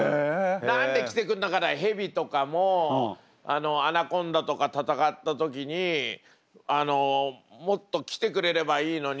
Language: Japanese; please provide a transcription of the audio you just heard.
何で来てくれなかった蛇とかもアナコンダとか戦った時にもっと来てくれればいいのに。